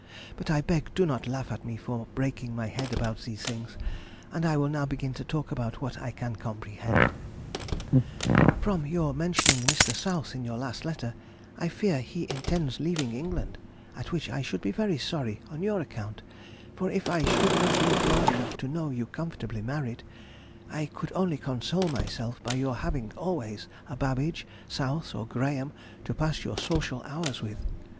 But I beg do not laugh at me for breaking my head about these things, and I will now begin to talk about what I can comprehend. [Sidenote: 1826. Mr. South.] From your mentioning Mr. South in your last letter, I fear he intends leaving England, at which I should be very sorry on your account, for if I should not live long enough to know you comfortably married, I could only console myself by your having always a Babbage, South, or Grahame to pass your social hours with.